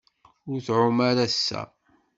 Ur tɛum ara ass-a.